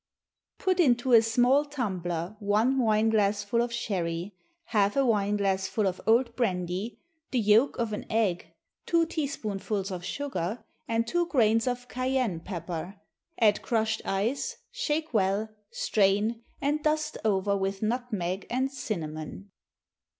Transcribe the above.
_ Put into a small tumbler one wine glassful of sherry, half a wine glassful of old brandy, the yolk of an egg, two teaspoonfuls of sugar, and two grains of cayenne pepper; add crushed ice, shake well, strain, and dust over with nutmeg and cinnamon.